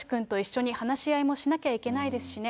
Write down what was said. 剛君と一緒に話し合いもしなきゃいけないですしね。